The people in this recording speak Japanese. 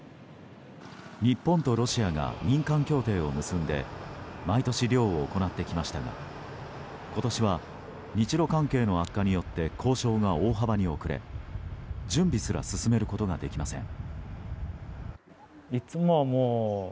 日本とロシアが民間協定を結んで毎年漁を行ってきましたが今年は日露関係の悪化によって交渉が大幅に遅れ準備すら進めることができません。